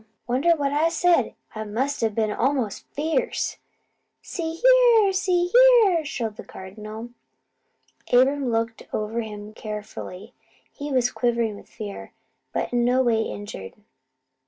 Wonder what I said? I must a been almost FIERCE." "See here! See here!" shrilled the Cardinal. Abram looked him over carefully. He was quivering with fear, but in no way injured.